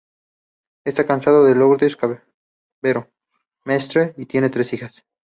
Está casado con Lourdes Cavero Mestre y tiene tres hijas.